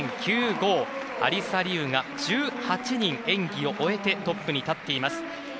アリサ・リウが１８人演技を終えてトップに立っています。